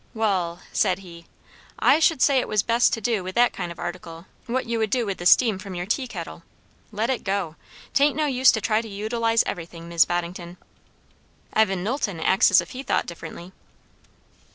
"Wall," said he, "I should say it was best to do with that kind of article what you would do with the steam from your tea kettle; let it go. 'Tain't no use to try to utilize everything, Mis' Boddington." "Evan Knowlton acts as if he thought differently."